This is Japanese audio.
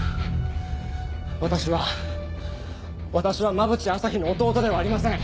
私は私は馬淵朝陽の弟ではありません。